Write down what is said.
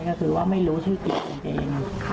ก็คือว่าไม่รู้ชื่อติดกันเอง